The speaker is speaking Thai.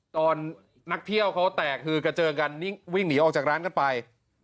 ตอนนักเที่ยวเขาแตกคือกระเจิงกันวิ่งหนีออกจากร้านกันไป